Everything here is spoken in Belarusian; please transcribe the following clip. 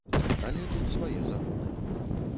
Але тут свае законы.